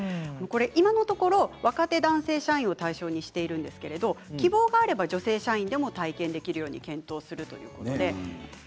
今のところ若手男性社員を対象にしているんですが希望があれば女性社員でも体験できるように検討するそうです。